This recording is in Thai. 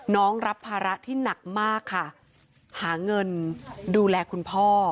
น้องรับภาระที่หนักมากค่ะหาเงินดูแลคุณพ่อ